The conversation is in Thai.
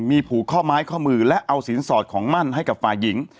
มีผูกข้อไม้ข้อมือและเอาสินสอดของมั่นให้กับฝ่ายหญิง